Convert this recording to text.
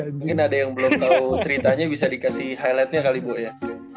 mungkin ada yang belum tahu ceritanya bisa dikasih highlightnya kali bu ya